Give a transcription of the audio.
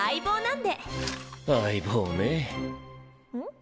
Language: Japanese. ん？